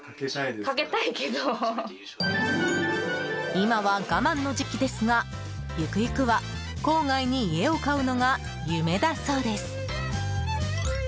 今は我慢の時期ですがゆくゆくは郊外に家を買うのが夢だそうです。